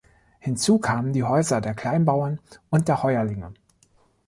Hinzu kamen die Häuser der Kleinbauern und der Heuerlinge.